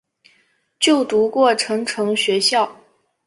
就读过成城学校。